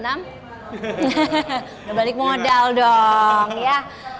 hehehe udah balik modal dong ya